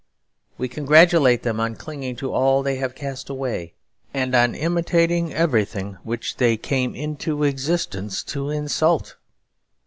We congratulate them on clinging to all they have cast away, and on imitating everything which they came into existence to insult.